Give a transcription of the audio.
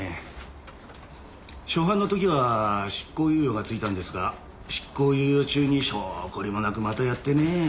初犯の時は執行猶予がついたんですが執行猶予中に性懲りもなくまたやってねぇ。